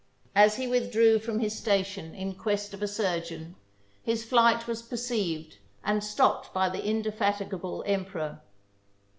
As he withdrew from his station in quest of a surgeon, his flight was per ceived and stopped by the indefatigable emperor.